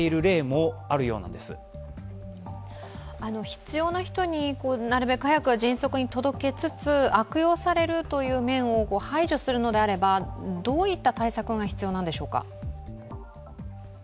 必要な人になるべく早く、迅速に届けつつ悪用されるという面を排除するのであればどういった対策が必要なんでしょうか。